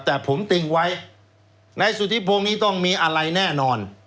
แต่ผมติงไว้นายสุธิพงศ์นี้ต้องมีอะไรแน่นอน